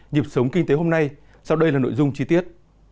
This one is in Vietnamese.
nhịp sống kinh tế hôm nay sau đây là nội dung chi tiết